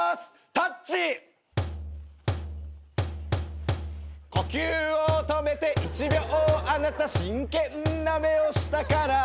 『タッチ』「呼吸を止めて１秒あなた真剣な目をしたから」